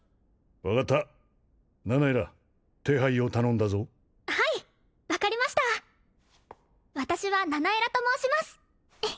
分かったナナエラ手配を頼んだぞはい分かりました私はナナエラと申します